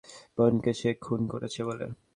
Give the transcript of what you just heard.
গুনা আত্মসমর্পণ করেছে তোর বোনকে সে খুন করেছে বলে।